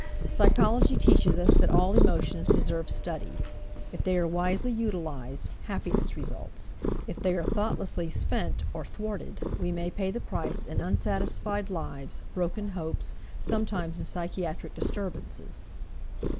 Psychology teaches us that all emotions deserve study; if they are wisely utilized, happiness results; if they are thoughtlessly spent or thwarted, we may pay the price in unsatisfied lives, broken hopes, sometimes in psychiatric disturbances.